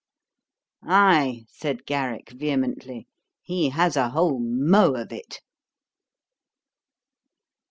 'Ay, (said Garrick vehemently,) he has a whole mow of it.'